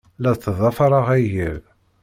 La ttḍafareɣ agal.